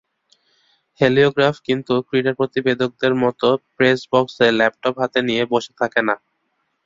Heliograph কিন্তু ক্রীড়া প্রতিবেদকদের মতো প্রেসবক্সে ল্যাপটপ হাতে নিয়ে বসে থাকে না।